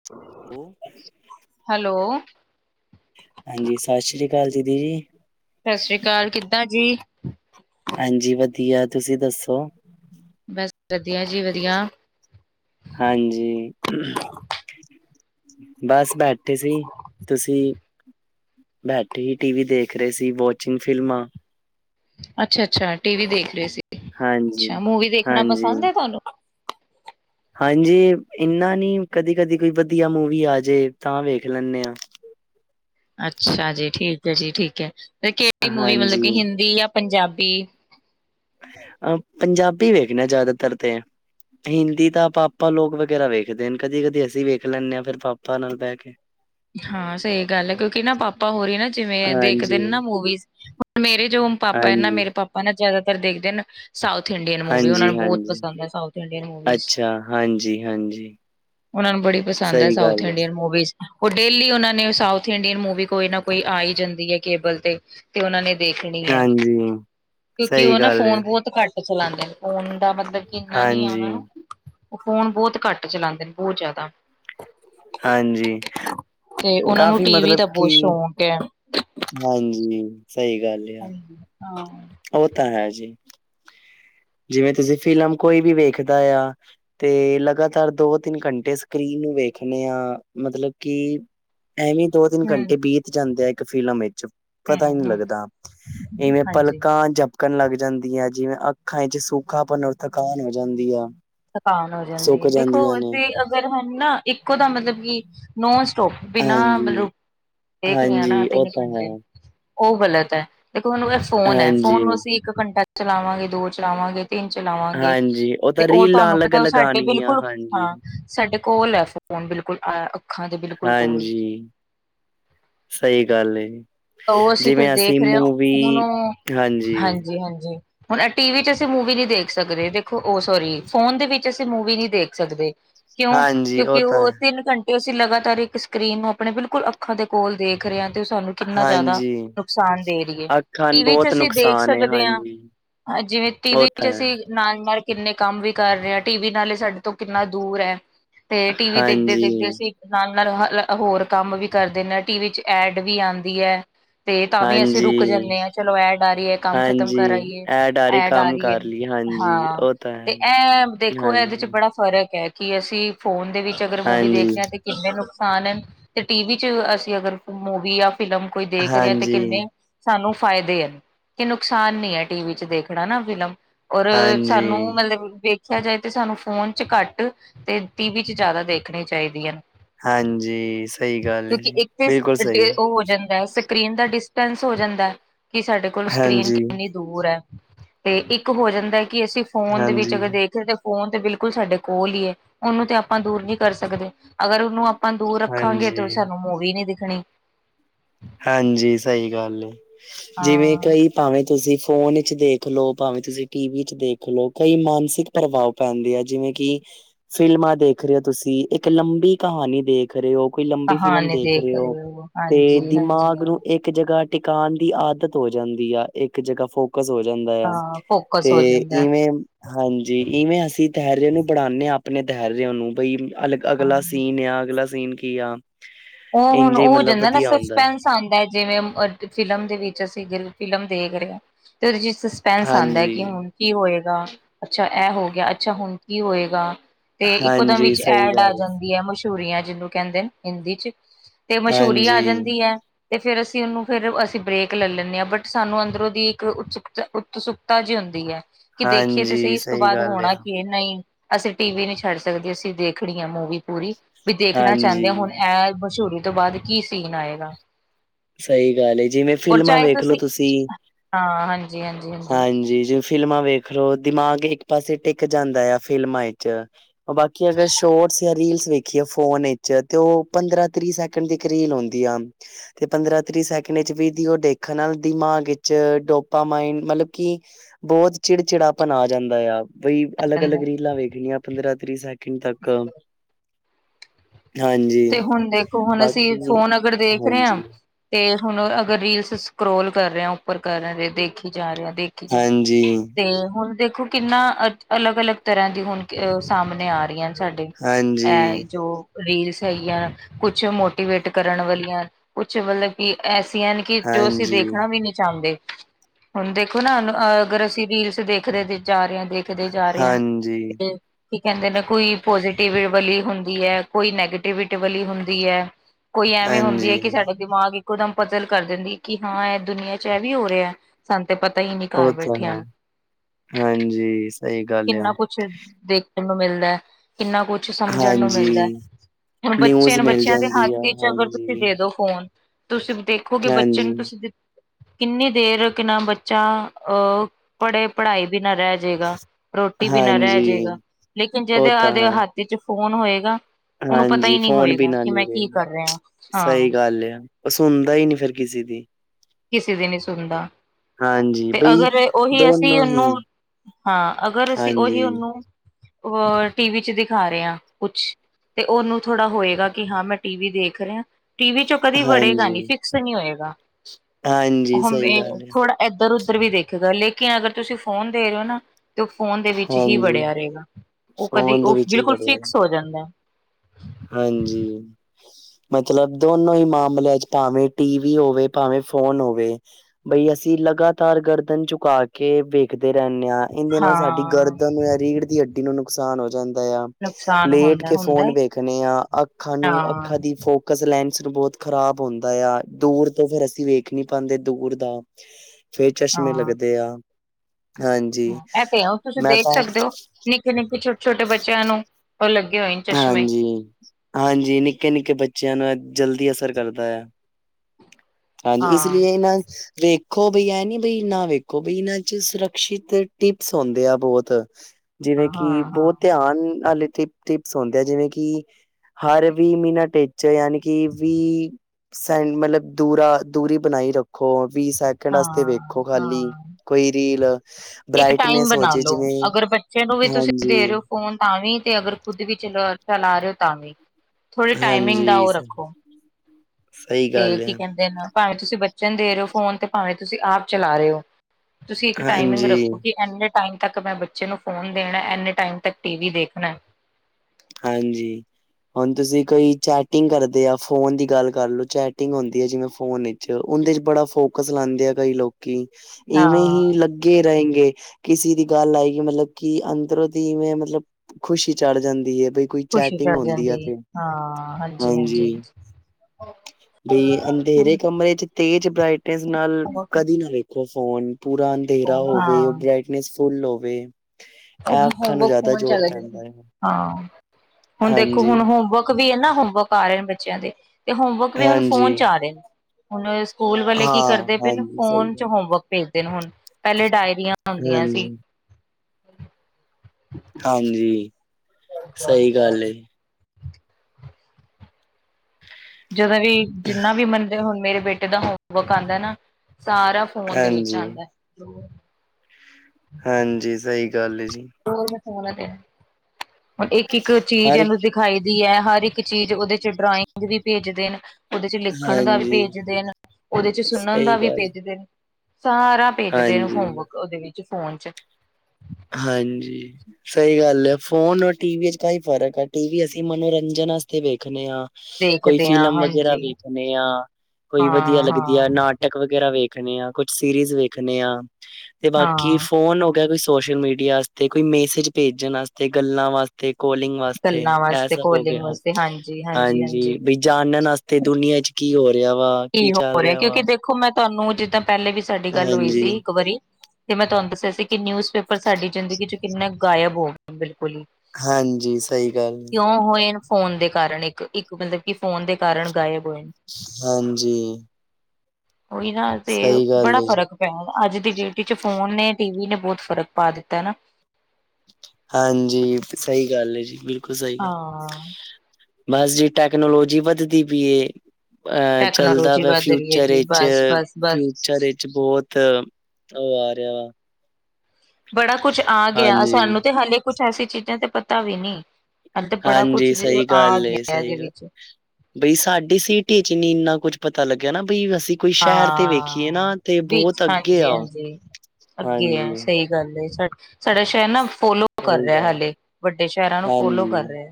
[inaudible] ਉਹ ਹੈਲੋ! ਹਾਂਜੀ, ਸਤਿ ਸ਼੍ਰੀ ਅਕਾਲ, ਦੀਦੀ। ਸਤਿ ਸ੍ਰੀ ਅਕਾਲ, ਕਿੱਦਾਂ ਜੀ? ਹਾਂਜੀ! ਵਧੀਆ। ਤੁਸੀਂ ਦੱਸੋ? ਬਸ ਵਧੀਆ ਜੀ ਵਧਇਆ ਹਾਂਜੀ! ਬਸ ਬੈਠੇ ਸੀ। ਤੁਸੀਂ? ਬੈਹਠੇ ਹੀ ਟੀਵੀ ਦੇਖ ਰਹੇ ਸੀ। ਵੋਚਿੰਗ ਫਿਲਮਾਂ, ਅੱਛਾ! ਅੱਛਾ! ਟੀਵੀ ਦੇਖ ਰਹੇ ਸੀ। ਹਾਂਜੀ ਅੱਛਾ! ਮੂਵੀ ਦੇਖਣਾ ਹਾਂਜੀ ਪਸੰਦ ਹੈ। ਤੁਹਾਨੂੰ? ਹਾਂਜੀ! ਇੰਨਾ ਨੀ ਕਦੀ - ਕਦੀ ਕੋਈ ਵਧੀਆ ਮੂਵੀ ਆਜੇ ਤਾਂ ਵੇਖ ਲੈਨੇ ਆ। ਅੱਛਾ ਜੀ! ਠੀਕ ਹੈ ਜੀ! ਠੀਕ ਏ! ਤੇ ਕਿਹੜੀ ਮੂਵੀ ਹਾਂਜੀ ਮਤਲਬ ਕਿ ਹਿੰਦੀ ਜਾਂ ਪੰਜਾਬੀ। ਅ ਪੰਜਾਬੀ ਵੇਖਣਾ ਜ਼ਿਆਦਾਤਰ ਤੇ, ਹਿੰਦੀ ਤਾਂ ਪਾਪਾ ਲੋਕ ਵਗੈਰਾ ਵੇਖਦੇ ਨੇ, ਕਦੀ-ਕਦੀ ਅਸੀਂ ਵੇਖ ਲੈਂਦੇ ਹਾਂ। ਫਿਰ ਪਾਪਾ ਨਾਲ ਬਹਿ ਕੇ, ਹਾਂ! ਸਹੀ ਗੱਲ ਹੈ, ਕਿਉਂਕਿ ਨਾ ਪਾਪਾ ਹੋਰੇ ਨਾ ਜਿਵੇਂ ਦੇਖਦੇ ਨੇ ਹਾਂਜੀ ਨਾ ਮੂਵੀਜ਼। ਮੇਰੇ ਜੋ ਪਾਪਾ ਏ ਨਾ, ਹਾਂਜੀ ਮੇਰੇ ਪਾਪਾ ਨਾ ਜ਼ਿਆਦਾਤਰ ਦੇਖਦੇ ਨੇ, ਸਾਊਥ ਇੰਡੀਅਨ ਮੂਵੀ, ਉਹਨਾ ਹਾਂਜੀ ਨੂੰ ਬਹੁਤ ਹਾਂਜੀ ਪਸੰਦ ਹੈ। South Indian movies. ਅੱਛਾ ਹਾਂਜੀ ਹਾਂਜੀ ਉਹਨਾ ਨੂੰ ਬੜੀ ਪਸੰਦ ਏ, ਸਹੀ ਸਾਊਥ ਗੱਲ ਇੰਡੀਅਨ ਮੂਵੀਜ਼। ਉਹ ਡੇਲੀ ਉਹਨਾਂ ਨੇ ਸਾਊਥ ਇੰਡੀਅਨ ਮੂਵੀ ਕੋਈ ਨਾ ਕੋਈ ਆ ਹੀ ਜਾਂਦੀ ਹੈ। ਕੇਬਲ ਤੇ, ਤੇ ਉਹਨਾ ਨੇ ਦੇਖਣੀ ਏ, ਹਾਂਜੀ। ਕਿਉਂਕਿ ਸਹੀ ਉਹ ਨਾ ਗੱਲ ਏ, ਫੋਨ ਬਹੁਤ ਘੱਟ, ਚਲਾਉਦੇ ਨੇ, ਫੋਨ ਦਾ ਮਤਲਬ ਕਿ ਇੰਨਾ ਨੀ ਆ ਹਾਂਜੀ, ਉਹਨਾਂ ਨੂੰ, ਉਹ ਫੋਨ ਬਹੁਤ ਘੱਟ ਚਲਾਦੇ ਨੇ, ਬਹੁਤ ਜ਼ਿਆਦਾ। ਹਾਂਜੀ! ਤੇ, ਉਹਨਾਂ ਨੂੰ ਕਾਫ਼ੀ ਟੀਵੀ ਮਤਲਬ ਦਾ ਬਹੁਤ ਕਿ ਸ਼ੌਕ ਏ। ਹਾਂਜੀ! ਸਹੀ ਗੱਲ। ਆ, ਹਾਂਜੀ! ਹਾਂ! ਉਹ ਤਾਂ ਹੈ ਜੀ, ਜਿਵੇਂ ਤੁਸੀਂ ਫਿਲਮ ਕੋਈ ਵੀ ਵੇਖਦਾ ਆ, ਤੇ ਲਗਾਤਾਰ ਦੋ ਤਿੰਨ ਘੰਟੇ ਸਕਰੀਨ ਨੂੰ ਵੇਖਣੇ ਆ ਮਤਲਬ ਕਿ, ਐਵੇਂ ਦੋ ਤਿੰਨ ਹਮ ਘੰਟੇ ਬੀਤ ਜਾਂਦੇ ਆ, ਇੱਕ ਫਿਲਮ ਵਿੱਚ। ਹਮ ਪਤਾ ਹੀ ਨੀ ਹਮ ਲੱਗਦਾ। ਇਵੇਂ ਪਲਕ, ਹਾਂਜੀ ਜਪਕਣ ਲੱਗ ਜਾਂਦੀ ਆ, ਜਿਵੇਂ ਅੱਖਾਂ ਵਿਚ ਸੂਖਾ ਪਨ ਤੇ ਥਕਾਨ ਹੋ ਜਾਂਦੀ ਆ। ਥਕਾਨ ਹੋ ਜਾਂਦੀ ਸੁੱਕ ਏ। ਦੇਖੋ ਜਾਂਦੀਆਂ ਵੀ ਨੇ, ਅਸੀ ਅਗਰ ਹੁਣ ਨਾ ਇੱਕੋ ਦਮ ਮਤਲਬ ਕਿ ਨੋਨ ਸਟੋਪ ਬਿਨਾਂ ਹਾਂਜੀ, ਮਤਲਬ ਦੇਖ ਰੇ ਆ ਨਾ ਹਾਂਜੀ ਉਹ ਤਿੰਨ ਤਾਂ ਘੰਟੇ, ਹੈ। ਉਹ ਗਲਤ ਏ, ਦੇਖੋ ਹੁਣ ਏ ਫੋਨ ਹੈ। ਫੋਨ ਹਾਂਜੀ, ਨੂੰ ਅਸੀਂ ਇੱਕ ਘੰਟਾ ਚਲਾਵਾਂਗੇ ਦੋ ਚਲਾਵਾਂਗੇ। ਦਿਨ ਚਲਾਵਾਂਗੇ ਹਾਂਜੀ ਤੇ, ਤਾਂ ਉਹ ਰੀਲਾਂ ਤੁਹਾਨੂੰ ਪਤਾ ਉਹ ਅਲੱਗ-ਅਲੱਗ ਸਾਡੇ ਆਣਗੀਆਂ ਬਿਲਕੁਲ ਹਾਂਜੀ, ਹਾਂ। ਸਾਡੇ ਕੋਲ ਹੈ ਫੋਨ ਬਿਲਕੁਲ ਆਇਆ ਹਾਂਜੀ! ਸਹੀ ਗੱਲ ਏ। ਉਹ ਅਸੀਂ ਜਿਵੇਂ ਫਿਰ ਦੇਖ ਰਹੇ ਹਾਂ ਮੂਵੀ ਹੁਣ ਉਹ ਹਾਂਜੀ ਹਾਂਜੀ ਹੁਣ ਟੀ ਵੀ ਚ ਅਸੀਂ ਮੂਵੀ ਨਹੀਂ ਦੇਖ ਸਕਦੇ ਦੇਖੋ ਉਹ ਸੋਰੀ ਫੋਨ ਦੇ ਵਿੱਚ ਅਸੀਂ ਮੂਵੀ ਨਹੀਂ ਦੇਖ ਸਕਦੇ ਕਿਉਂ ਹਾਂਜੀ ਕਿਉਂਕਿ ਤਾਂ ਉਹ ਹੈ ਤਿੰਨ ਘੰਟੇ ਤੇ ਅਸੀਂ ਲਗਾਤਾਰ ਇੱਕ ਸਕਰੀਨ ਨੂੰ ਆਪਣੇ ਬਿਲਕੁਲ ਅੱਖਾਂ ਦੇ ਕੋਲ ਦੇਖ ਰਹੇ ਹਾਂ ਤੇ ਉਹ ਸਾਨੂੰ ਕਿੰਨਾ ਜ਼ਿਆਦਾ ਹਾਂਜੀ, ਨੁਕਸਾਨ ਦੇ ਰਹੀ ਹੈ ਅੱਖਾਂ ਨੂੰ ਟੀਵੀ ਚ ਬਹੁਤ ਅਸੀਂ ਦੇਖ ਨੁਕਸਾਨ ਏ ਸਕਦੇ ਹਾਂ ਹਾਂਜੀ। ਹਾਂ ਜਿਵੇਂ ਟੀ ਉਹ ਵੀ ਤਾਂ ਚ ਹੈ ਅਸੀਂ ਨਾਲ ਨਾਲ ਕਿੰਨੇ ਕੰਮ ਵੀ ਕਰ ਰਹੇ ਆ ਟੀ ਵੀ ਨਾਲੇ ਸਾਡੇ ਤੋਂ ਕਿੰਨਾ ਦੂਰ ਹੈ ਤੇ ਟੀ ਵੀ ਦੇਖਦੇ ਹਾਂਜੀ, ਦੇਖਦੇ ਅਸੀਂ ਨਾਲ ਨਾਲ ਹੋਰ ਕੰਮ ਵੀ ਕਰਦੇ ਨੇ ਟੀਵ ਚ ਐਡ ਵੀ ਆਉਂਦੀ ਹੈ ਤੇ ਤਾਂ ਵੀ ਅਸੀਂ ਰੁਕ ਹਾਂਜੀ, ਜਾਂਦੇ ਹਾਂ ਚਲੋ ਐਡ ਆ ਰਹੀ ਏ ਕੰਮ ਖ਼ਤਮ ਹਾਂਜੀ ਕਰ ਆਹੀਏ ਇਹ ਡਰ ਕੰਮ ਕਰ ਲਈ ਹਾਂਜੀ ਹਾਂ ਉਹ ਤਾਂ ਤੇ ਹੈ ਇਹ ਦੇਖੋ ਇਹਦੇ ਚ ਹਾਂਜੀ, ਬੜਾ ਫ਼ਰਕ ਹੈ ਕਿ ਅਸੀਂ ਫੋਨ ਦੇ ਵਿੱਚ ਅਗਰ ਮੂਵੀ ਹਾਂਜੀ, ਦੇਖਦੇ ਹਾਂ ਤੇ ਕਿੰਨੇ ਨੁਕਸਾਨ ਐ ਤੇ ਟੀਵੀ ਚ ਅਸੀਂ ਅਗਰ ਕੋਈ ਮੂਵੀ ਜਾਂ ਫਿਲਮ ਕੋਈ ਦੇਖ ਰਿਹਾ ਤੇ ਹਾਂਜੀ, ਕਿੰਨੇ, ਸਾਨੂੰ ਫ਼ਾਇਦੇ ਏ ਤੇ ਨੁਕਸਾਨ ਨੀ ਏ ਟੀਵੀ ਚ ਦੇਖਣਾ ਨਾ ਫਿਲਮ। ਔਰ! ਸਾਨੂੰ ਹਾਂਜੀ, ਮਤਲਬ ਵੇਖ ਦੇਖਿਆ ਜਾਏ ਤੇ ਸਾਨੂੰ ਫੋਨ ਚ ਘੱਟ ਤੇ ਟੀਵੀ ਚ ਜ਼ਿਆਦਾ ਦੇਖਣੇ ਚਾਹੀਦੀਆ। ਹਾਂਜੀ ਸਹੀ ਗੱਲ ਹੈ ਜੀ ਇੱਕ ਬਿਲਕੁਲ ਸਹੀ ਤੇ ਉਹ ਹੋ ਜਾਂਦਾ ਸਕਰੀਨ ਦਾ ਡਿਸਟਐਸ ਹੋ ਜਾਂਦਾ ਕਿ ਸਾਡੇ ਕੋਲ ਸਕਰੀਨ ਹਾਂਜੀ। ਕਿੰਨੀ ਦੂਰ ਹੈ ਤੇ ਇੱਕ ਹੋ ਜਾਂਦਾ ਕਿ ਅਸੀਂ ਫੋਨ ਦੇ ਵਿੱਚ ਹਾਂਜੀ, ਅਗਰ ਦੇਖੇ ਰੇ ਫੋਨ ਤੇ ਬਿਲਕੁਲ ਸਾਡੇ ਕੋਲ ਹੀ ਹੈ ਉਹਨੂੰ ਤੇ ਆਪਾਂ ਦੂਰ ਨੀ ਕਰ ਸਕਦੇ ਅਗਰ ਉਹਨੂੰ ਆਪਾਂ ਦੂਰ ਰੱਖਾਂਗੇ ਤੇ ਉਹ ਹਾਂਜੀ, ਸਾਨੂੰ ਮੂਵੀ ਨੀ ਦਿਖਣੀ ਹਾਂਜੀ ਸਹੀ ਗੱਲ ਜਿਵੇਂ ਹਾਂ ਕਈ ਭਾਵੇਂ ਤੁਸੀਂ ਫੋਨ ਵਿਚ ਦੇਖਲੋ ਭਾਵੇਂ ਤੁਸੀਂ ਟੀਵੀ ਚ ਦੇਖਲੋ ਕਈ ਮਾਨਸਿਕ ਪ੍ਰਭਾਵ ਪੈਂਦੇ ਆ ਜਿਵੇਂ ਕਿ ਫਿਲਮਾਂ ਦੇਖ ਰਹੇ ਹੋ ਤੁਸੀਂ ਇੱਕ ਲੰਬੀ ਕਹਾਣੀ ਦੇਖ ਦੇਖ ਰਹੇ ਹੋ ਕੋਈ ਲੰਬੀ ਫਿਲਮ ਦੇਖ ਰਹੇ ਹੋ ਤੇ ਦਿਮਾਗ ਨੂੰ ਇੱਕ ਜਗ੍ਹਾ ਟਿਕਾਣ ਦੀ ਆਦਤ ਹੋ ਜਾਂਦੀ ਆ ਇੱਕ ਜਗ੍ਹਾ ਫੋਕ ਜ਼ ਹੋ ਜਾਂਦਾ ਆ ਹਾਂ ਤੇ ਫੋਕਸ ਹੋ ਜਾਂਦਾ ਇਵੇਂ ਹਾਂਜੀ ਇਵੇਂ ਅਸੀਂ ਧਰੀਏ ਨੂੰ ਬਣਾਉਂਦੇ ਹਾਂ ਆਪਣੇ ਧਰਿਏ ਨੂੰ ਬਈ ਲਾਈਕ ਅਗਲਾ ਸੀਨ ਆ ਅਗਲਾ ਸੀਨ ਕੀ ਆ ਉਹ ਹੁਣ ਇੰਝ ਹੀ ਹੋ ਮਤਲਬ ਜਾਂਦਾ ਨਾ ਵਧੀਆ ਹੁੰਦਾ ਹੈ। ਸਸਪੈਂਸ ਉਂਦਾ ਜਿਵੇਂ ਫਿਲਮ ਦੇ ਵਿੱਚ ਅਸੀਂ ਫਿਲਮ ਦੇਖ ਰਹੇ ਹਾਂ ਉਹਦੇ ਚ ਸਸਪੈਨਸ ਆਉਂਦਾ ਹੈ ਹਾਂਜੀ, ਕਿ ਹੁਣ ਕੀ ਹੋਏਗਾ ਅੱਛਾ ਇਹ ਹੋ ਗਿਆ ਅੱਛਾ ਹੁਣ ਕੀ ਹੋਏਗਾ ਤੇ ਇਕੋ ਦਮ ਹਾਂਜੀ ਵਿੱਚ ਸਹੀ ਐਡ ਆ ਗੱਲ, ਜਾਂਦੀ ਮਸ਼ਹੂਰੀਆਂ ਜਿਹਨੂੰ ਕਹਿੰਦੇ ਨੇ ਹਿੰਦੀ ਚ ਤੇ ਮਸ਼ਹੂਰੀ ਆ ਹਾਂਜੀ, ਜਾਂਦੀ ਹੈ ਤੇ ਫੇਿਰ ਅਸੀਂ ਉਹਨੂੰ ਫਿਰ ਅਸੀਂ ਬ੍ਰੇਕ ਲੈ ਲੈਂਦੇ ਹਾਂ ਬਟ ਸਾਨੂੰ ਅੰਦਰੋਂ ਦੀ ਇੱਕ ਉੁਤਸੂਕਤਾ ਉੁਤਸੂਕ ਤਾ ਜਿ ਹੁੰਦੀ ਹੈ ਕਿ ਦੇਖੀਏ ਤੇ ਹਾਂਜੀ ਸਹੀ ਇਸ ਤੋਂ ਬਾਅਦ ਗੱਲ ਆ, ਹੋਣਾ ਕੀ ਇਹ ਨਹੀਂ ਅਸੀਂ ਟੀ ਵੀ ਨਹੀਂ ਛੱਡ ਸਕਦੇ ਅਸੀਂ ਦੇਖਣੀ ਆ ਮੂਵੀ ਪੂਰੀ ਵੀ ਦੇਖਣਾ ਚਾਹੁੰਦੇ ਹਾਂਜੀ, ਆ ਹੁਣ ਇਹ ਮਸ਼ਹੂਰੀ ਤੋਂ ਬਾਅਦ ਕੀ ਸੀਨ ਆਏਗਾ ਸਹੀ ਗੱਲ ਏ ਜਿਵੇਂ ਔਰ ਫਿਲਮਾਂ ਚਾਹੇ ਵੇਖਲੋ ਤੁਸੀਂ ਹਾਂ ਹਾਂਜੀ ਹਾਂਜੀ ਜਿਵੇਂ ਫਿਲਮਾਂ ਵੇਖ ਲੋ ਦਿਮਾਗ ਇੱਕ ਪਾਸੇ ਟਿੱਕ ਜਾਂਦਾ ਆ ਫ਼ਿਲਮਾਂ ਵਿੱਚ ਬਾਕੀ ਅਗਰ ਸ਼ੋਰਟਸ ਜਾਂ ਰੀਲਸ ਵੇਖ ਕੀਏ ਫੋਨ ਵਿੱਚ ਤੇ ਉਹ ਪੰਦਰਾਂ ਤ੍ਰੀਹ ਸੈਕਿੰਡ ਦੀ ਰੀਲ ਆਂਦੀ ਆ ਤੇ ਪੰਦਰਾਂ ਤ੍ਰੀਹ ਸੈਕਿੰਡ ਵਿਚ ਵੀ ਦੀ ਉਹ ਦੇਖਣ ਨਾਲ ਦਿਮਾਗ ਵਿਚ ਡੋਪਾ ਮਾਈਨ ਮਤਲਬ ਕਿ ਬਹੁਤ ਚਿੜ ਚਿੜਪਨ ਆ ਜਾਂਦਾ ਆ ਬਈ ਅਲੱਗ ਅਲੱਗ ਰੀਲਾਂ ਵੇਖਣੀਆਂ ਪੰਦਰਾਂ ਤੀਹ ਸੈਕਿੰਡ ਤੱਕ ਹਾਂਜੀ ਤੇ ਹੁਣ ਦੇਖੋ ਹੁਣ ਅਸੀਂ ਬਾਕੀ ਫੋਨ ਅਗਰ ਦੇਖ ਰਹੇ ਹਾਂ ਹਾਂਜੀ ਤੇ ਹੁਣ ਅਗਰ ਰੀਲਸ ਸਕੋਲ ਕਰ ਰਿਹਾ ਉੱਪਰ ਕਰ ਰਹੇ ਹਾਂ ਦੇਖੀ ਜਾ ਰਿਹਾ ਦੇਖ਼ੀ ਹਾਂਜੀ ਤੇ ਹੁਣ ਦੇਖੋ ਕਿੰਨਾ ਅ ਅਲੱਗ -ਅਲੱਗ ਤਰ੍ਹਾਂ ਦੀ ਹੁਣ ਸਾਹਮਣੇ ਆ ਰਹੀਆਂ। ਸਾਡੇ ਅਹ ਹਾਂਜੀ ਜੋ ਰੀਲਸ ਹੈ ਕੁਛ ਮੋਟੀਵੇਟ ਕਰਨ ਵਾਲੀਆਂ ਕੁਛ ਮਤਲਬ ਕਿ ਐਸੀਆਂ ਨਹੀ। ਕਿ ਜੋ ਅਸੀਂ ਹਾਂਜੀ ਦੇਖਣਾ ਵੀ ਨਹੀਂੀ ਚਾਹੁੰਦੇ ਹੁਣ ਦੇਖੋ ਨਾ ਅਗਰ ਅਸੀਂ ਰੀਲਸ ਦੇਖਦੇ ਜਾ ਰਹੇ ਹਾਂ ਦੇਖ ਦੇਖਦੇ ਜਾ ਰਹੇ ਹਾਂ ਹਾਂਜੀ ਤੇ ਕੀ ਕਹਿੰਦੇ ਨੇ ਕੋਈ ਪੋਜੀਟਿਵ ਵੈ ਵਾਲੀ ਹੁੰਦੀ ਹੈ ਕੋਈ ਨੈਗੇਟਿਵ ਤੇਵਿਟ ਵਾਲੀ ਹੁੰਦੀ ਹੈ ਕੋਈ ਐਵੇਂ ਹੁੰਦੀ ਹੈ ਹਾਂਜੀ ਕੇ ਸਾਨੂੰ ਦਿਮਾਗ ਇੱਕੋਦਮ ਪਤਲ ਕਰ ਦਿੰਦੀ ਕਿ ਹਾਂ ਇਹ ਦੁਨੀਆਂ ਚ ਇਹ ਵੀ ਹੋ ਰਿਹਾ ਹੈ। ਸਾਨੂੰ ਤੇ ਪਤਾ ਹੀ ਨਹੀਂ ਘਰ ਉਹ ਤਾਂ ਬੈਠਿਆਂ ਹੈ ਨੂੰ ਹਾਂਜੀ ਸਹੀ ਗੱਲ ਆ ਤੇਨੂੰ ਮਿਲਨਾ ਏ, ਕਿੰਨਾ ਕੁਛ ਸਮਝਣ ਨੂੰ ਮਿਲਦਾ ਹਾਂਜੀ, ਹੁਣ ਬੱਚੇ ਨਿਊਜ਼ ਨੂੰ ਮਿਲ ਬੱਚਿਆਂ ਦੇ ਜਾਂਦੀ ਆ, ਹੱਥ ਚ ਅਗਰ ਤੁਸੀਂ ਹਾਂਜੀ। ਦੇ ਦੋ ਫੋਨ ਤੁਸੀਂ ਦੇਖੋਗੇ ਬੱਚੇ ਹਾਂਜੀ, ਨੂੰ ਤੁਸੀਂ ਕਿੰਨੀ ਦੇਰ ਕਿ ਨਾ ਬੱਚਾ ਅਹ ਪੜ੍ਹੇ ਪੜ੍ਹਾਈ ਵੀ ਨਾ ਰਹਿ ਜਾਏਗਾ। ਰੋਟੀ ਬਿਨਾ ਰਹਿ ਜਾਏਗਾ ਹਾਂਜੀ, ਲੇਕਿਨ ਜਦ ਉਹ ਤਾਂ ਉਹਦੇ ਹੈ। ਹੱਥ 'ਚ ਫੋਨ ਹੋਏਗਾ। ਉਹਨੂੰ ਪਤਾ ਹਾਂਜੀ ਹੀ ਨਹੀਂ ਫੋਨ ਹੋਏਗਾ ਬਿਨਾ ਕਿ ਨਾ ਮੈਂ ਕੀ ਕਰ ਰਹੇ ਰਿਹਾ [inaudible] ਹਾਂ ਸਹੀ ਗੱਲ ਆ। ਉਹ ਸੁਣਦਾ ਹੀ ਨਹੀਂ ਫੇਰ ਕਿਸੇ ਦੀ ਕਿਸੇ ਦੀ ਨੀ ਸੁਣਦਾ। ਹਾਂਜੀ, ਤੇ ਬਈ ਅਗਰ ਉਹੀ ਅਸੀਂ ਦੋਨੋ ਹੀ, ਉਹਨੂੰ ਹਾਂ ਅਗਰ ਅਸੀਂ ਉਹੀ ਹਾਂਜੀ, ਉਹਨੂੰ ਹੋਰ ਟੀਵੀ 'ਚ ਦਿਖਾ ਰਹੇ ਹ ਕੁਛ ਤੇ ਉਹਨੂੰ ਥੋੜ੍ਹਾ ਹੋਏਗਾ ਕਿ ਹਾਂ ਮੈਂ ਟੀ ਵੀ ਦੇਖ ਰਿਹਾ। ਟੀਵੀ 'ਚ ਕਦੀ ਵੜੇਗਾ ਨੀ ਹਾਂਜੀ। ਫਿਕਸ ਨਹੀਂ ਹੋਏਗਾ। ਹਾਂਜੀ, ਹੂੰ ਸਹੀ ਗੱਲ ਆ, ਥੋੜ੍ਹਾ ਇੱਧਰ ਉਧਰ ਵੀ ਦੇਖੇਗਾ ਲੇਕਿਨ ਅਗਰ ਤੁਸੀਂ ਫੋਨ ਦੇ ਰਹੇ ਹੋ ਨਾ। ਤੇ ਉਹ ਫੋਨ ਦੇ ਵਿੱਚ ਹੀ ਹਾਂਜੀ, ਵੜਿਆ ਰਹੇਗਾ ਉਹ ਕਦੇ ਫੋਨ ਦੇ ਉਹ ਵਿੱਚ ਹੀ ਬਿਲਕੁਲ ਵੜਿਆ, ਫਿਕਸ ਹੋ ਜਾਂਦਾ ਹੈ। ਹਾਂਜੀ ਮਤਲਬ ਦੋਨੋ ਹੀ ਮਾਮਲਿਆਂ 'ਚ ਭਾਵੇਂ ਟੀ-ਵੀ ਹੋਵੇ ਭਾਵੇਂ ਫੋਨ ਹੋਵੇ। ਬਈ ਅਸੀਂ ਲਗਾਤਾਰ ਗਰਦਨ ਝੁਕਾ ਕੇ ਵੇਖਦੇ ਰਹਿੰਦੇ ਹਾਂ ਇਹਦੇ ਨਾਲ ਸਾਡੀ ਹਾਂ ਗਰਦਾਂ ਨੂੰ ਜਾਂ ਰੀੜ੍ਹ ਦੀ ਹੱਡੀ ਨੂੰ ਨੁਕਸਾਨ ਹੋ ਜਾਂਦਾ ਆ। ਨੁਕਸਾਨ ਲੇਟ ਹੁੰਦਾ ਕੇ ਹੁੰਦਾ ਫੋਨ ਵੇਖਣੇ ਆ ਅੱਖਾਂ ਨੂੰ ਹਾਂ ਅੱਖਾਂ ਦੀ ਫੋਕ ਲੈਂਸ ਨੂੰ ਬਹੁਤ ਖ਼ਰਾਬ ਹੁੰਦਾ ਆ ਦੂਰ ਤੋਂ ਫੇਰ ਅਸੀਂ ਵੇਖ ਨੀ ਪਾਉਂਦੇ ਦੂਰ ਦਾ ਫੇਰ ਚਸ਼ਮੇ ਲੱਗਦੇ ਆ। ਹਾਂਜੀ ਹੂੰ ਇਹ ਤੇ ਤੁਸੀਂ ਮੈਂ ਦੇਖ ਤਾਂ ਸਕਦੇ ਹੋ ਨਿੱਕੇ- ਨਿੱਕੇ ਛੋਟੇ -ਛੋਟੇ ਬੱਚਿਆਂ ਨੂੰ ਉਹ ਲੱਗੇ ਹੋਏ। ਚਸ਼ਮੇ ਹਾਂਜੀ- ਹਾਂਜੀ ਨਿੱਕੇ -ਨਿੱਕੇ ਬੱਚਿਆਂ ਨੂੰ ਜਲਦੀ ਅਸਰ ਕਰਦਾ ਆ। ਹਾਂਜੀ ਇਸ ਹਾਂ, ਲਈਏ ਇਹ ਨਾ ਵੇਖੋ ਬਈ ਐ ਨੀ ਬਈ ਨਾ ਵੇਖੋ ਬਈ ਇਹਨਾਂ 'ਚ ਸੁਰੱਖਸ਼ਿਤ ਟਿਪਸ ਹੁੰਦੇ ਆ ਬਹੁਤ ਜਿਵੇਂ ਹਾਂ, ਕਿ ਹਾਂ, ਹਾਂ, ਬਹੁਤ ਧਿਆਨ ਅਲੇ ਤੇ ਟਿਪਸ ਹੁੰਦੇ ਆ ਜਿਵੇਂ ਕਿ ਹਰ ਵੀਹ ਮਿੰਨਟ ਇਚ ਯਾਨੀ ਕਿ ਵੀਹ ਸਹੀ ਮਤਲਬ ਦੂਰਾ ਦੂਰੀ ਬਣਾਈ ਰੱਖੋ ਵੀਹ ਸੈ ਆਸਤੇ ਵੇਖੋ ਖਾਲੀ ਹਾਂ। ਕੋਈ ਰੀਲ ਬਰਾਈਟਨੈਸ ਹੋਜੇ ਜਿਵੇਂ ਚਲੋ ਵੀ ਤੁਸੀਂ ਹਾਂਜੀ ਦੇ ਰਹੇ ਹੋ ਫੋਨ ਤਾਂ ਵੀ ਤੇ ਅਗਰ ਖੁਦ ਵੀ 'ਚ ਚਲਾ ਰਹੇ ਹੋ ਤਾਂ ਵੀ ਥੋੜੇ ਟਾਈਮਿੰਗ ਦਾ ਹਾਂਜੀ ਉਹ ਰੱਖੋ। ਸਹੀ ਤੇ ਗੱਲ ਕੀ ਆ ਕਹਿੰਦੇ ਨਾ ਭਾਵੇਂ ਤੁਸੀਂ ਬੱਚੇ ਨੂੰ ਦੇ ਰਹੇ ਹੋ ਫੋਨ ਤੇ ਭਾਵੇਂ ਤੁਸੀਂ ਆਪ ਚਲਾ ਰਹੇ ਓ। ਤੁਸੀਂ ਇੱਕ ਟਾਈਮਿੰਗ ਹਾਂਜੀ ਰੱਖੋ ਕਿ ਇੰ ਟਾਈਮ ਤੱਕ ਮੈਂ ਬੱਚੇ ਨੂੰ ਫੋਨ ਦੇਣਾ ਇੰਨੇ ਟਾਈਮ ਤੱਕ ਟੀ ਵੀ ਦੇਖਣਾ। ਹਾਂਜੀ ਹੁਣ ਤੁਸੀਂ ਕੋਈ ਚੈਟਿੰਗ ਕਰਦੇ ਆ ਫੋਨ ਦੀ ਗੱਲ ਕਰ ਲਓ ਚੈਟਿੰਗ ਹੁੰਦੀ ਆ ਜਿਵੇਂ ਫੋਨ ਉਹਦੇ 'ਚ ਬੜਾ ਫੋਕਸ ਲਾਦੇ ਆ ਕਈ ਲੋਕੀ ਇਵੇਂ ਹਾਂ, ਹੀ ਲੱ ਗੇ ਰਹੇਗੇ ਕਿਸੇ ਦੀ ਗੱਲ ਆਏਗੀ ਮਤਲਬ ਕਿ ਅੰਦਰੋਂ ਦੀ ਵੇਂ ਮਤਲਬ ਖੁਸ਼ੀ ਚੜ੍ਹ ਜਾਂਦੀ ਏ। ਖੁਸ਼ੀ ਕਰ ਜਾਂਦੀ ਹਾਂ ਹਾਂਜੀ- ਹਾਂਜੀ ਹ ਬ ਅੰਧੇਰੇ ਕਮਰੇ 'ਚ ਤੇਜ਼ ਬਰਾਈਟਨੈਸ ਨਾਲ ਕਦੀ ਨਾ ਵੇਖੋ। ਫੋਨ ਪੂਰਾ ਅੰਧੇਰਾ ਹੋਵੇ ਬਰਾਈਟਨੈਸ ਫੁਲ ਹੋਵੇ। [inaudible] ਇਹ ਅੱਖਾਂ ਨੂੰ ਜ਼ਿਆਦਾ ਜ਼ੋਰ ਪੈਂਦਾ ਹੈ ਹਾਂ ਹੁਣ ਦੇਖੋ ਹਾਂਜੀ ਹੁਣ ਹੋਮਵਰਕ ਵੀ ਏਨਾ ਹੋਮਵਰਕ ਆ ਰਹੇ ਨੇ ਬੱਚਿਆਂ ਦੇ, ਤੇ ਹੋਮਵਰਕ ਵੀ ਔ ਨੂ ਹਾਂਜੀ ਫੋਨ ਚ ਆ ਰਹੇ। ਹੁਣ ਸਕੂਲ ਵਾਲੇ ਹਾਂ ਕੀ ਕਰਦੇ ਪਏ ਨੇ ਹਾਂਜੀ ਸਹੀ ਫੋਨ 'ਚ ਗੱਲ ਹੋਮਵਰਕ ਭੇਜਦੇ ਨੇ ਹੁਣ ਪਹਿਲੇ ਡਾਇਰੀਆਂ ਹੁੰਦੀਆਂ ਹਾਂਜੀ ਸੀ। [inaudible] ਹਾਂਜੀ ਸਹੀ ਗੱਲ ਏ। ਜਦੋਂ ਵੀ ਜਿੰਨਾ ਵੀ ਮੰਨਦੇ ਹੁਣ ਮੇਰੇ ਬੇਟੇ ਦਾ ਹੋਮਵਰਕ ਆਉਂਦਾ ਨਾ ਸਾਰਾ ਫੋਨ ਦੇ ਵਿੱਚ ਹਾਂਜੀ, ਆਂਦਾ। ਹਾਂਜੀ ਸਹੀ ਗੱਲ ਜੀ। ਰੁੰਮ ਚ ਫੋਨ ਐ ਦੇ। ਹੁਣ ਇੱਕ ਇੱਕ ਚੀਜ਼ ਹਰ ਇਹਨੂੰ ਦਿਖਾਈ ਦੀ ਹੈ, ਹਰ ਇੱਕ ਚੀਜ਼ ਉਹਦੇ ਚ ਡਰਾਇੰਗ ਵੀ ਭੇਜਦੇ ਨੇ। ਉਹਦੇ ਚ ਲਿਖਣ ਦਾ ਵੀ ਹਾਂਜੀ, ਭੇਜਦੇ ਨੇ, ਉਹਦੇ ਚ ਸੁਣਨ ਸਹੀ ਦਾ ਵੀ ਗੱਲ ਭੇਜਦੇ ਨੇ, ਸਾਰਾ ਭੇਜਦੇ ਏ ਹਾਂਜੀ। ਹੋਮਵਰਕ, ਉਹਦੇ ਵਿੱਚ ਫੋਨ ਚ। ਹਾਂਜੀ ਸਹੀ ਗੱਲ ਹੈ, ਫੋਨ ਔਰ ਟੀਵੀ ਚ ਕਈ ਫ਼ਰਕ ਆ, ਟੀ ਵੀ ਅਸੀਂ ਮਨੋਰੰਜਨ ਵਾਸਤੇ ਵੇਖਣੇ ਆਂ। ਕੋਈ ਦੇਖਦੇ ਆ ਫਿਲਮ ਵਗੈਰਾ ਹਾਂਜੀ। ਵੇਖਣੇ ਆ ਕੋਈ ਵਧੀਆ ਹਾਂ-ਹਾਂ, ਹਾਂ ਲੱਗਦੀ ਆ ਨਾਟਕ ਨਾਟਕ ਵਗੈਰਾ ਵੇਖਣੇ ਆ, ਕੁਛ ਸੀਰੀਜ਼ ਵੇਖਣੇ ਆ, ਤੇ ਬਾਕੀ ਹਾਂ ਫੋਨ ਹੋ ਗਿਆ, ਕੁਛ ਸੋਸ਼ਲ ਮੀਡੀਆ ਵਾਸਤੇ, ਕੋਈ ਮੈਸੇਜ ਭੇਜਣ ਵਾਸਤੇ, ਗੱਲਾਂ ਵਾਸਤੇ ਤੇ ਕੋਲਿੰਗ ਵਾਸਤੇ, ਗੱਲਾਂ ਇਹ ਵਾਸਤੇ ਸਭ ਹੋ ਕੋਲਿੰਗ ਗਿਆ, ਵਾਸਤੇ ਹਾਂਜੀ-ਹਾਂਜੀ-ਹਾਂਜੀ। ਹਾਂਜੀ ਜਾਣਨ ਵਾਸਤੇ, ਦੁਨੀਆਂ ਚ ਕੀ ਹੋ ਰਿਹਾ ਵਾ। ਕੀ ਹੋ ਚੱਲ ਪੜੇ, ਰਿਹਾ ਵਾ। ਕਿਉਂਕਿ ਦੇਖੋ ਮੈਂ ਤੁਹਾਨੂੰ ਜਿਦਾਂ ਪਹਿਲੇ ਵੀ ਸਾਡੀ ਗੱਲ ਹੋਈ ਸੀ ਹਾਂਜੀ, ਇੱਕ ਵਾਰੀ, ਤੇ ਮੈਂ ਤੁਹਾਨੂੰ ਦੱਸਿਆ ਸੀ ਕਿ ਨਿਊਜ਼ ਪਰ ਸਾਡੀ ਜ਼ਿੰਦਗੀ ਚ ਕਿੰਨੇ ਗਾਇਬ ਹੋ ਗਏ, ਬਿਲਕੁਲ ਹੀ ਹਾਂਜੀ ਸਹੀ ਗੱਲ ਕਿਉਂ ਹੋਏ ਨੇ ਫੋਨ ਦੇ ਕਾਰਨ ਇੱਕ, ਇੱਕ ਮਤਲਬ ਕਿ ਫੋਨ ਦੇ ਕਾਰਨ ਗਾਇਬ ਹੋਏ ਹਾਂਜੀ ਉਹੀ ਨਾ ਤੇ, ਸਹੀ ਗੱਲ ਬੜਾ ਏ ਜੀ। ਫ਼ਰਕ ਅੱਜ ਦੀ ਡੇਟ ਵਿੱਚ, ਫੋਨ ਨੇ, ਟੀ ਵੀ ਨੇ, ਬਹੁਤ ਫਰਕ ਪਾ ਦਿੱਤਾ ਨਾ। ਹਾਂਜੀ ਸਹੀ ਗੱਲ ਹੈ ਜੀ, ਬਿਲਕੁਲ ਸਹੀ ਗੱਲ ਹਾਂ ਬਸ ਜੀ, ਟੈਕਨੋਲੋਜੀ ਵਧਦੀ ਪਈ ਐ। ਅਹ ਚੱਲਦਾ ਟੈਕਨੋਲੋਜੀ ਪਿਆ ਵੱਧ ਰਹੀ ਹੈ ਫਿਊਚਰ ਜੀ ਇਚ ਬਸ ਬਸ ਬਸ। ਫਿਊਚਰ ਇਚ ਬਹੁਤ, ਉਹ ਆ ਰਿਹਾ ਵਾ ਬੜਾ ਕੁਛ ਆ ਗਿਆ, ਹਾਂਜੀ। ਸਾਨੂੰ ਤੇ ਹਾਲੇੇ ਕੁਛ ਐਸੀ ਚੀਜ਼ਾਂ ਤੇ ਪਤਾ ਵੀ ਨਹੀਂ। ਹਾਲੇ ਤੇ ਬੜਾ ਕੁਛ ਹਾਂਜੀ, ਸਹੀ ਆ ਗੱਲ ਏ, ਗਿਆ ਇਹਦੇ ਸਹੀ ਗੱਲ ਵਿੱਚ ਬਈ ਸਾਡਡੀ ਸਿਟੀ ਚ ਨੀ ਇੰਨਾ ਕੁੱਛ ਪਤਾ ਲੱਗਿਆ, ਨਾ ਬਈ ਅਸੀਂ ਕੋਈ ਸ਼ਹਿਰ ਤੇ ਵੇਖੀਏ ਹਾਂ। ਨਾ, ਤੇ ਵਿੱਚ ਬਹੁਤ ਅੱਗੇ ਹਾਂਜੀ ਆ ਉਹ ਹਾਂਜੀ ਅੱਗੇ ਹੈ ਹਾਂਜੀ। ਸਹੀ ਗੱਲ ਏ, ਸਾਡਾ ਸ਼ਹਿਰ ਨਾ ਫੋਲੋ ਕਰ ਸਹੀ ਰਿਹਾ ਗੱਲ ਹਾਲੇ, ਵੱਡੇ ਸ਼ਹਿਰਾਂ ਨੂੰ ਫੋਲੋ ਕਰ ਹਾਂਜੀ ਰਿਹਾ।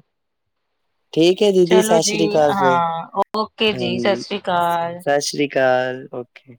ਠੀਕ ਹੈ ਦੀਦੀ ਚਲੋ ਸਤਿ ਜੀ, ਸ੍ਰੀ ਅਕਾਲ ਫਿਰ ਹਾਂ ਓਕੇ ਜੀ, ਸਤਿ ਸ੍ਰੀ ਅਕਾਲ। ਚੱਲ ਔ ਕੇ।